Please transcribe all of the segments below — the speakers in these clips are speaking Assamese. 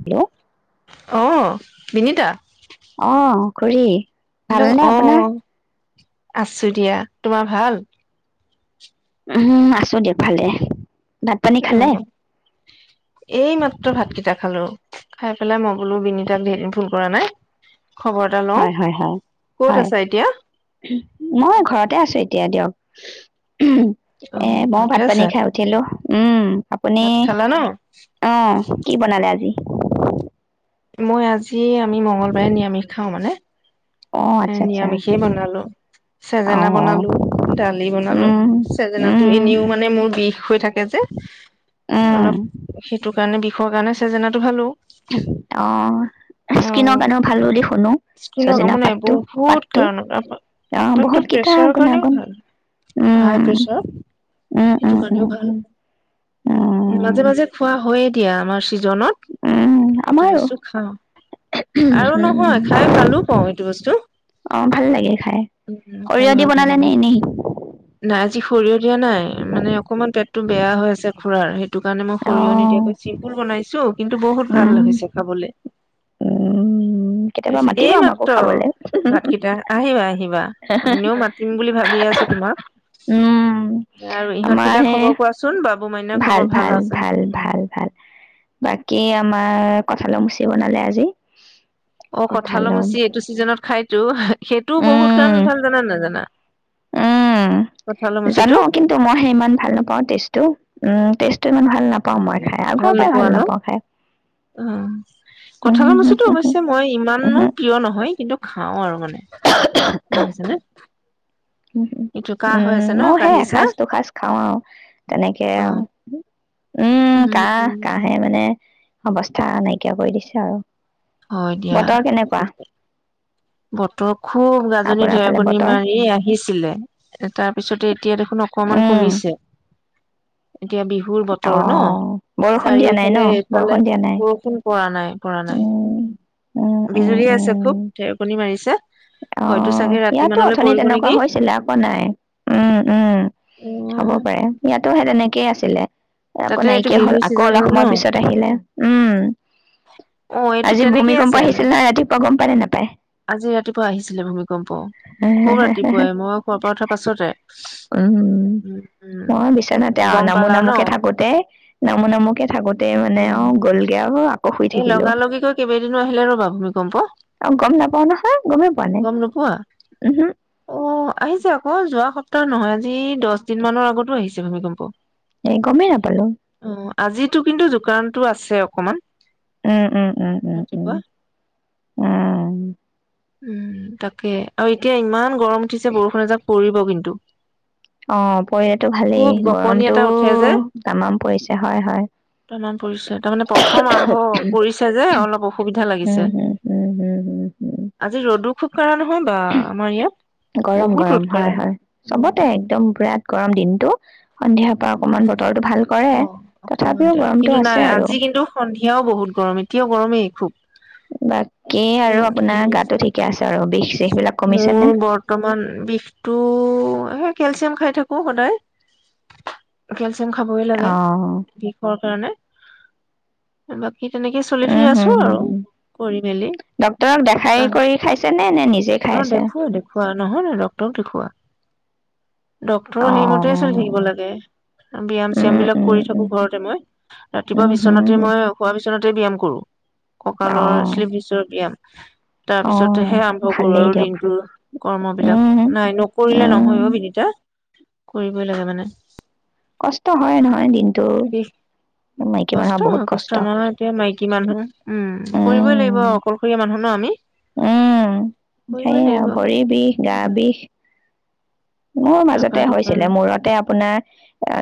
হেল্ল' আহ বিনীতা অ খুৰী হেল্ল' ভালনে আপোনাৰ? আহ আছো দিয়া তোমাৰ ভাল উম আছো দিয়ক ভালে ভাত পানী খালে অ', এই মাত্ৰ ভাতকেইটা খালো খাই পেলাই মইগোলো বি তাক ফোন কৰা নাই খবৰ এটা লওঁ হয়, হয়, হয়, কত হয়। আছা এতিয়া উ এ অ', মই ঘৰতে ভাত পানী আছা খাই উঠিলোঁ উম আপুনি ভাত খালা ন? অ কি বনালে আজি মই আজি যি আমি মঙ্গলবাৰে নিৰামিষ খাওঁ মানে অ' এ আচ্ছা, আচ্ছা। নিৰামিষেই বনালো চেজেনা অ' বনালো দালি বনালো উম, চেজেনাতো উম, এনেও মানে মোৰ বিষ হৈ থাকে যে উম, অলপ সেইটো কাৰণে বিষ বিষৰ কাৰণে চেজনাটো ভালো অ আৰু স্কিনৰ কাৰণে ভাল বুলি শুনো স্কিনৰ কামত ছজনা নাই পাত বহুত কাৰণত পাতটো বহুত কেইটা প্ৰেছাৰৰ কাৰণেও গুণাগুণ। ভাল হাই উম, প্ৰেচাৰ উম, সেইটো উম, উম, কাৰণেও ভাল উম, উম। মাজে মাজে খোৱা হৈ এতিয়া আমাৰ চিজনত উম, এইটো আমাৰো বস্তু খাওঁ উম, আৰু নহয় উম। খাই ভালো পাওঁ এইটো বস্তু অ ভাল লাগে খাই উম খাই সৰিয়হ দি ভাল পাওঁ বনালে মানে নে এনেই নাই আজি সৰিয়হ দিয়া নাই মানে অকণমান পেটটো বেয়া হৈ আছে খুৰাৰ সেই সেইটো কাৰণে মই সৰিয়হ অ' নিদিয়াকৈ চিম্পুল বনাইছো কিন্তু বহুত ভাল উম, হৈছে খাবলৈ উম, কেতিয়াবা তাপিছত এই মাতিবা আমাকো মাত্ৰ খাবলে। ভাতকেইটা আহিবা আহিব কিবা এনেও মাতিম বুলি ভাবি আছো তোমাক উম, আৰু আমাৰ ইহঁতকেইটা সেই খবৰ কোৱাচোন বাবু মাইানাৰ খবৰ ভাল আছে বাকী আমাৰ কঁঠালৰ মুচি বনালে আজি অ কঁঠাল কঁঠালৰ মুচি এইটো চিজনত খাই জো উম, উম, কঁঠালৰ মুচিটো জানোঁ কিন্তু, মইহে ইমান ভাল নাপাওঁ, টেষ্টটো উম। টেষ্টটো ইমান ভাল নাপাওঁ উম, মই খাই, আগৰ ভাল পৰাই নোপোৱা ন? নাপাওঁ খাই। অ', উম, কঁঠালৰ হু, হু, মুচিটোৰ হু, অৱশ্যে মই উহু, ইমানো প্ৰিয় নহয়, কিন্তু খাওঁ আৰু মানে। বহিছেনে? উ, উ, উম, আছে ন ময়ো সেই কাহি চাহ এসাঁজ, দুসাঁজ খাওঁ আৰু তেনেকে অ আৰু উম, কাহ, কাহে মানে অৱস্থা নাইকিয়া কৰি দিছে আৰু। হয়, দিয়া। বতৰ কেনেকুৱা বতৰ খুব গাজনি, আপোনাৰ ফালে ঢেৰকনি বতৰ মাৰি আহিছ [unintelligible] তাৰপিছতে এই এতিয়া দেখোন অকমান উম কমিছে। এতিয়া বিহুৰ অ বতৰ ন? বৰষুণ দিয়া নাই ন চাৰিওফালে এইফালে বৰষুণ দিয়া নাই বৰষুণ পৰা নাই, পৰা নাই। উম উম উম বিজুলীয়াই আছে খুব, উম ঢেৰকনি মাৰিছে, অ হয়তো চাগে ৰাতি ইয়াতো মানলৈ অথনি পৰিব তেনেকুৱা নেকি‌, হৈছিলে আকৌ নাই উম উম [unintelligible] কেই আছিলে। আকৌ নাইকিয়া হ'ল, আকৌ অলপ ছিজনৰ ন সময়ৰ পিছত আহিলে উম। অ', এইটো আজি তেনেকেই ভূমিকম্প আছে। আহিছিল নহয় ৰাতিপুৱা গম পালে নাপায় আজি ৰাতিপুৱা আহিছিলে, ভূমিকম্প খুব ৰাতিপুৱাই মই শুৱাৰ পৰা উঠাৰ পাছতে উম, উম, গম পালা ন? কে থাকোতে নামো নামোকে থাকোতেই মানে আও গ'লগে আও এ লগা লগিকৈ কেইবাদিনো আহিলে ৰবা ভুমিকম্প। আৰু গম নাপাও নহয় গমেই পোৱা নাই গ'ম নোপোৱা? উহো অ' আহিছে আকৌ যোৱা সপ্ত ত নহয় আজি দচ দিন মানৰ আগতো আহিছে ভূমিকম্প। এ, গমেই নাপালো। আজিটো কিন্তু জোকাৰনটো আছে অকমান। উম, উম, উম, উম, ৰাতিপুৱা উম, উমম। উম তাকে, আৰু এতিয়া ইমান গৰম উঠিছে বৰষুণ এজাক পৰিব কিন্তু। অঁ, পৰিলেটো খুব ভালেই গপনি গৰমটো এটা উঠে যে তামাম পৰিছে। হয়, হয়। তাৰমানে প্ৰথম আৰম্ভ [unintelligible] অ' পৰিছে যে অলপ অসুবিধা লাগিছে। উম হম আজি ৰ'দো খুব কাঢ়া নহয় বা আমাৰ ইয়াত [unintelligible] বহুত গৰম-গৰম ৰ'দ হয়, কাঢ়া হয়। চবতে উম একদম বিৰাট গৰম দিনতটো। সন্ধিয়া প অ' তথাপিও অকমানতে, গৰমটো কিন্তু আছে নাই আৰু আজি কিন্তু সন্ধিয়াও বহুত গৰম এতিয়া গৰমেই। খুব। বাকী আৰু আপোনাৰ গাটো ঠিকে আছে আৰু বিচ মোৰ বৰ্তমান বিষটো হে কেলচিয়াম খাই থাকো সদায়, কেল য়াম খাবই লাগে, অ বিষৰ কাৰণে। [inaudible] চলি ফিৰি উম আছো হম হম আৰু হম। কৰি মেলি ডক্তৰক দেখাই অ কৰি খাইছে নে নিজে খাই অ আছে দেখুওৱা দেখুওৱা নহয় নহয় ড্ক্তৰক দেখুওৱা। অ ডক্তৰৰ হেৰি মতে চলি থাকিব লাগে। ব্যায়াম চিয়াম উম বিলাক উম কৰি উম থাকো ঘৰতে মই ৰাতিপুৱা উম হম বিচনাতে হম মই খোৱা বিচনাত ব্যায়াম কৰোঁ। অ কঁকালৰ [unintelligible] ব্যায়াম [inaudible] অ তাৰপিছতহে [inaudible] কৰো ভালেই আৰু দিয়ক দিনটোৰ, কৰ্ম বিলাক উম নাই নকৰিলে উম নহয় অ বিনিতা কৰিবই লাগে মানে কষ্ট হয় নহয় দিনটো বিষ, মাইকী মানুহৰ কষ্ট বহুত হয় কষ্ট হয় আমাৰ মানে এতিয়া মাইকী মানুহ, উম কৰিবই উম লাগিব অকলশৰীয়া মানুহ ন আমি উম কৰিবই সেইয়ে লাগিব আৰু ভৰিৰ বিষ গা বিষ মোৰ তাৰপা মাজতে দোকান হৈছিলে মূৰতে আপোনাৰ,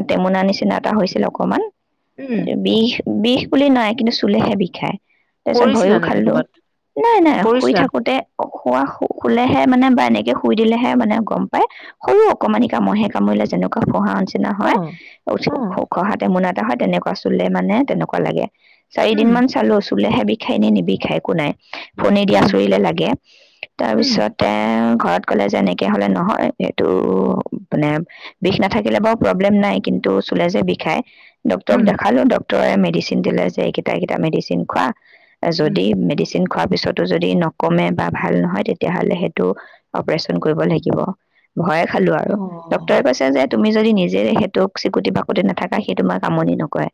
টেমুনা নিচিনা হৈছিল অকমান উম বিষ, বিষ বুলি নাই কিন্তু চুলেহে বিষায় তাৰপিছত পৰিছিলা ভয়ও নেকি খালো ক'বাত নাই নাই শুই পৰিছিলা থাকোতে খোৱা শুলেহে মানে বা এনেকে শুই দিলেহে মানে গম পায় সৰু অকমানিকা মহে কামৰিলে যেনেকুৱা [unintelligible] আৰু নিচিনা অ হয়, অ [unintelligible] মোনাত এ হয় তেনেকুৱা চুলে মানে তেনেকুৱা লাগে চাৰিদিন উম মান চালো চুলেহে বিষ ষাই, নে নিবিষাই একো নাই ফণী দি উম, আচুৰিলে লাগে, উম, তাৰপিছতে ঘৰত গ'লে যেনেকৈ হ'লে নহয় এইটো, মানে বিষ নাথাকিলে বাৰু প্ৰব্লেম নাই কিন্তু, চুল যে বিষাই ডক্টৰক উম, দেখালো ডক্ট ডক্টৰে মেডিচিন দিলে যে এইকেটা এইকেইটা মেডিচিন খোৱা উম, যদি মেডিচিন তাৰ পিছতো যদি নকমে বা ভাল নহয়, তেতিয়া হ'লে সেইটো অপাৰেশ্যন কৰিব লাগিব। ভয়ে খালো আৰু অ', ডাক্তৰে কৈছে যে তুমি যদি নিজে এই সেইটোক চিকুতি বাকুতি নাথাকা সি তোমাক আমনি নকৰে,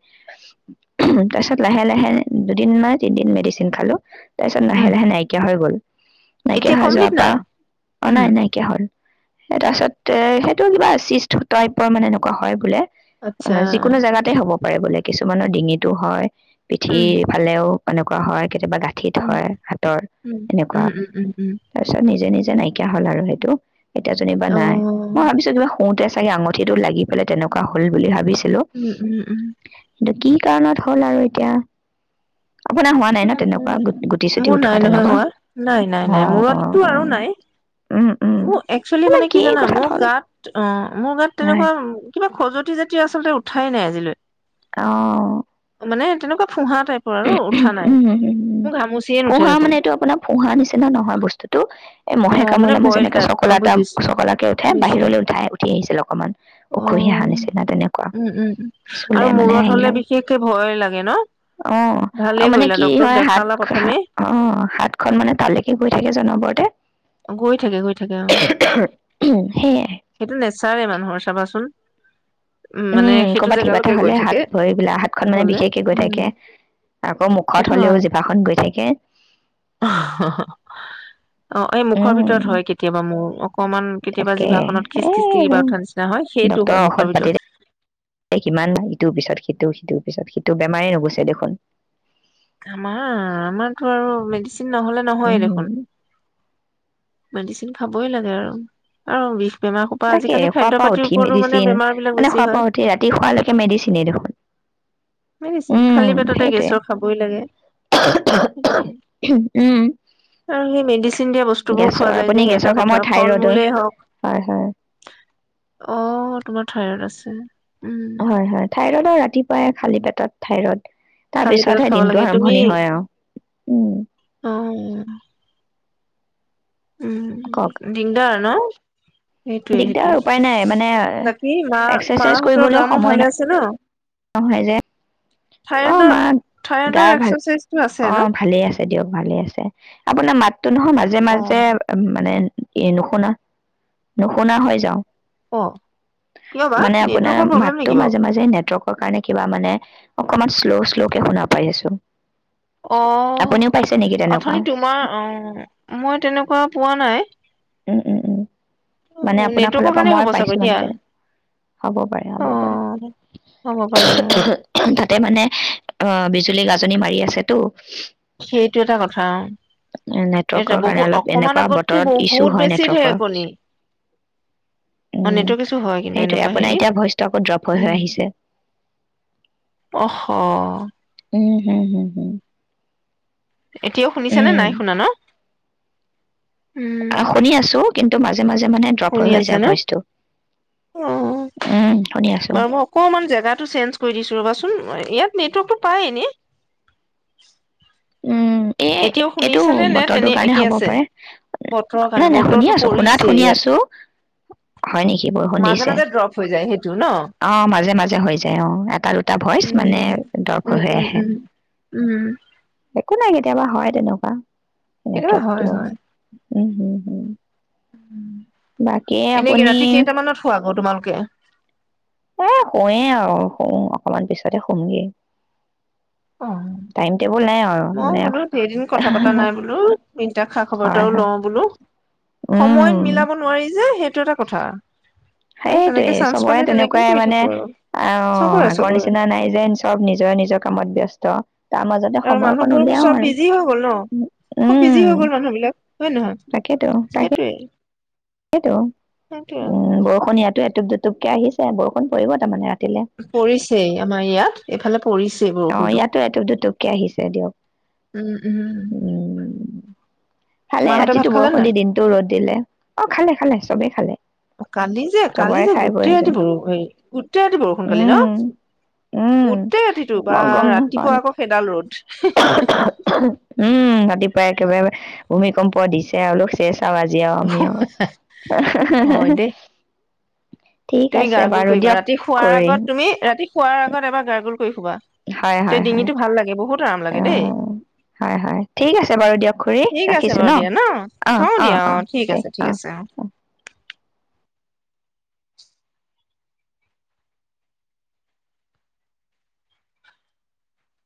তাৰপিছত লাহে লাহে দুদিন নে তিনিদিন মেডিচিন খালো। তাৰপিছত উম, লাহে লাহে নাইকিয়া হৈ গ'ল। নাইকিয়া এতিয়া হৈ কমপ্লিট যোৱাৰ পা নাই? অ' উম, নাই নাইকিয়া হ'ল। তাৰ পাছত এ সেইটো কিবা চিষ্ট টাইপৰ মানে এনেকুৱা হয় বোলে। আচ্ছা, অ' যিকোনো জেগাতে হ'ব। পাৰে বোলে, কিছুমানৰ ডিঙিতো হয়। উম, পিঠিৰ ফালেও এনেকুৱা হয়। কেতিয়াবা গাঁঠিত উম, হয় হাতৰ উম, এনেকুৱা, উম, উম, উম, উম, তাৰ পিছত নিজে নিজে এ নাইকিয়া হ'ল আৰু সেইটো। এতিয়া যেনিবা নাই, মই অ', ভাবিছো কিবা শুওঁতে চাগে আঙ এইটোত লাগি পেলাই তেনেকুৱা হ'ল বুলি ভাবিছোঁ। হেল্লো' উম, উম, উম, এইটো কি? কি কাৰণত হ'ল আৰু এতিয়া আপোনাৰ হোৱা নাই ন তেনেকুৱা গুটি চুটি মোৰ উঠোৱা নাই নহয় তেনেকুৱা হোৱা, নাই নাই অ নাই অ মূৰতটো অ আৰু নাই। উম উম মোক এক্স জানো কি জানা কথাত মোৰ হ'ল গাত অ' মোৰ গাত হয় তেনেকুৱা কিবা খজুৱতি জাতীয় আছে বুলি উঠাই নাই আজিলৈ অ'। মানে তেনেকুৱা ফোঁহাত উম' উম' উম' উম' ঘামচিয়ে নুঠে ফোঁহা দেখোন। মানে এইটো আপোনাৰ ফোঁহা নিচিনা নহয় বস্তুতটো এই মহে অ', মানে কামুৰিলে আমাৰ বইল যেনেকে টাইপ, চকলা অ', এটা বুজিছো, চকলাকে উঠে বুজিছো, বাহিৰলৈ উঠাই উঠি আহিছিল অকমান উখহি অহা অ'। নিচিনা তেনেকুৱা, উম, উম, আৰু চুলে মানে মূৰত হেৰি হ'লে আৰু বিশেষকে ভয় লাগে ন? অ' ভালে আৰু মানে কৰিলা কি ডক্তৰক হয় দেখালা হাত- হা প্ৰথমে। অ' হাত খন মানে তালৈকে গৈ থাকে যে অনবৰতে গৈ থাকে গৈ থাকে অ' সেয়াই সেইটো না বিচাৰে মানুহৰ চাবাচোন মানে উম' সেইটো কৰ'বাত কিবা এটা জেগালৈকে গৈ হ'লে থাকে হাত ভৰিবিলাক হাতখন মানে হ'লে বিশেষকে গৈ উম, থাকে আকৌ সেইটো মুখত হ'লেও হয়। জিভাখন গৈ থাকে। অ' এই মুখৰ উম ভিতৰত হয় কেতিয়াবা মোৰ অ'। তাকে এ ৰ উঠা নিচিনা হয় সেইটো হয় ড্টৰৰ মুখৰ ঔষধ ভিতৰত। পাতিলে কিমান ইটো পিছত সিটো সিটো তাৰপিছত সিটো বেমাৰেই নুগুছে দেখোন! আমাৰ আৰু মেডিচিন নহলে নহয়েই উম দেখোন। মেডিচিন খাবই লাগে আৰু আৰু ৰি তাকে শোৱাৰ পৰা উঠি মেডিচিন, বেমাৰ বিলাক মানে বেছি শোৱাৰ হয়। পৰা উঠি ৰাতি শোৱালৈকে মেডিচিনে দেখোন। মেডিচিন খালী উম', পেটতে সেইটোৱে গেছৰ খাবই লাগে সেইটোৱে উম আৰু সেই মেডিচিন দিয়া বস্তুবোৰ গেছৰ খোৱা যায় যে আপুনি সেই এটা গেছৰ খাই কথা। মই থাইৰইডৰ ফল-মূলে হওক হয় হয় অ তোমাৰ থাইৰইড আছে। আচ্ছা হয়, হয়। থাইৰডৰ ৰাতিপুৱাই খালী পেটত থাইৰড। তাৰ খালী পেটত পিছতহে খাব দিনটো লাগে তুমি আৰম্ভণি হয় আৰু, উম',। অ কওক উম দিগদাৰ আৰু ন? [inaudible] দিগদাৰ সেইটোৱে-সেইটোৱে, উপায় নাই মানে বাকী মা এক্সাৰচাইজ মাহঁতৰ কৰিবলৈও গা মোৰ সময় ভালে আছে ন? নহয় যে। অ', থাইৰডৰ মা থাইৰডৰ গা ভাল এক্সাৰচাইজটো আছে ন অ', ভালেই আছে দিয়ক, ভালে আছে। আপোনাৰ মাত তটো নহয় মাজে অ মাজে উ মানে এ নুশুনা-নুশুনা হয় যাওঁ। অ কিয় বা মানে আপোনাৰ নেটৱৰ্কৰ প্ৰব্লেম মাতটো নেকি বাৰু মাজে মাজে নেটৱৰ্ক কিবা মানে অকমান শ্ল' শ্ল' কে শুনা পাই আছো। অ', আপুনিও পাইছে নেকি তেনেকুৱা অথনি তোমাৰ, অ, মই তেনেকুৱা পোৱা নাই। উম, উম, উম,। মানে আপোনাৰ নেটৱৰ্কৰ ফালৰ পৰা কাৰণে মই হ'ব পাইছো চাগৈ মানে দিয়া তেনেকুৱা হ'ব পাৰে, অ হ'ব পাৰে, হ'ব পাৰে উমহ অ উমহ উমহ তাতে মানে অ, বিজুলী গাজনি মাৰি আছে টো। সেইটো এটা কথা অ এটা নেটৱৰ্কৰ কাৰণে বহুত, অলপ অকমান এনেকুৱা আগতটো বতৰত ইছ্যু বহুত হয় বেছি নেটৱৰ্কৰ ঢেৰকণী অ উম নেটৱৰ্ক ইছু হয় কিন্তু সেইটোয়ে এনেকুৱা আপোনাৰ হেৰিত এতিয়া ভইচটো আকৌ ড্ৰপ হৈ হৈ উম আহিছে অহ হ উম', হম, হুম, হম। এতিয়াও শুনিছা নে, উম, নাই শুনা ন? উম অহ শুনি আছো, কিন্তু মাজে মাজে মানে ড্ৰপ হৈ শুনি হৈ আছা যায় ন ভইচটো। অ উম', শুনি আছো। বাৰু উম ময় ইয়াত নেটৱৰ্কতটো পায় ইনে উম', এই এইটো নে বতৰটো তেনে কাৰণে একে হ'ব আছে পাৰে। বতৰৰ নাই কাৰণে নাই শুনি বতৰটো আছো শুনাত পৰিছেই শুনি ইয়াত আছো, হয় নেকি বৰষুণ মাজে দিছে মাজে ড্ৰপ হৈ যায় সেইটো ন অ মাজে মাজে হৈ যায় অ, এটা দুটা ভইচ উম মানে দৰ্প উম হৈ হৈ উম আহে। উম উম একো নাই কেতিয়াবা হয় তেনেকুৱা। কেতিয়াবা হয় নেটৱৰ্কটো। হয়। উম', হুম, হুম। এনেকে আপুনি ৰাতি কেইটামানত হুৱা আকৌ তোমালোক কে এ শুৱেই আৰু, শুম অকমান পিছতে শুমগেই। অ আৰু মই মানে বোলো দুই দিন কথা পতা নাই বোলো দিনটা খা খবৰ হয় এটাও হয়। লওঁ বোলোঁ। সময়ত উম, মিলাব নোৱাৰি য যে সেইটো এটা কথা। এই তেনেকে সেইটোৱে চান্স চবৰে পালে তেনেকেই তেনেকুৱাই কৰি মানে থাকো আৰু। আহ চবৰে আগৰ চবৰে নিচিনা নাই যেন চব নিজৰে নিজৰ কামত ব্যস্ত। ত। অ মানুহবোৰ চব বিজি হৈ গ'ল ন। খুব উম বিজি হৈ গ'ল মানুহ বিলাক হয় নহয়? সেইটোৱেই। সেইটো। উম বৰষুণ ইয়াতো এটু দুটুপ টোপকে আহিছে, বৰষুণ পৰিব তাৰমানে। ৰাতিলে পৰিছেই আমাৰ ইয়াত, এইফালে পৰিছে। অ ইয়াতো এটুপ দুটক কে আহিছে দিয়ক। উম উম উ খালে মাহঁতে ভাত ৰাতিটো খালে বৰষুণ নাই? দি দিনটো ৰ'দ দিলে। অ খালে খালে চব চবে খালে। কালি যে, কালি চবৰে যে খাই বৈ গোটেই ৰাতি আজৰি বৰষুণ। গোটেই ৰাতি বৰষুণ কালি ন? উম উম গোটেই ৰাতিটো। বা মই গম নাপাওঁ ৰাতিপুৱা আকৌ সেইদাল ৰ'দ। [unintelligible] উম ৰাতি একেবাৰে ভূমিকম্প দিছে আৰু শে আৰু আজি আৰু আমি আৰু। এ হে হে হে হয় হে। দেই [inaudible] তুমি গাৰ্গোল কৰিবা ৰাতি শোৱাৰ আগত তুমি ৰাতি শোৱাৰ আগত এবাৰ গাৰ্গুল হয় হয় হয়। বহুত আৰাম অ লাগে দেই হয় হয়। ঠিক আছে বাৰু দিয়ক খুড়ী, ঠিক আছে ৰাখিছোঁ বাৰু ন। দিয়া অহ্ থওঁ অহ্ দিয়া অ অহ্ ঠিক দে আছে ঠিক অহ্। আছে অ